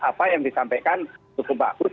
apa yang disampaikan cukup bagus